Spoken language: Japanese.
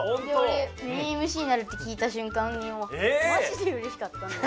メインＭＣになるって聞いたしゅん間にもうマジでうれしかったんです。